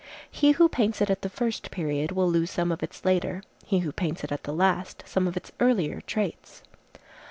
He who paints it at the first period will lose some of its later, he who paints it at the last, some of its earlier traits.